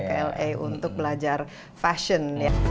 ke la untuk belajar fashion